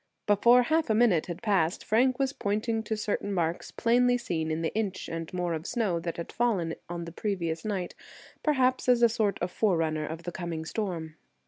Before half a minute had passed, Frank was pointing to certain marks plainly seen in the inch and more of snow that had fallen on the previous night, perhaps as a sort of forerunner of the coming storm.